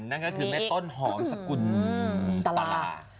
นั่นก็คือแม่ต้นหอมสกุลตลาด